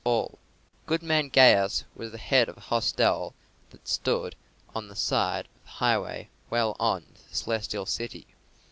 Paul. Goodman Gaius was the head of a hostel that stood on the side of the highway well on to the Celestial City.